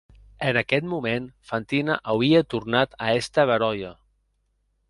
En aqueth moment Fantina auie tornat a èster beròia.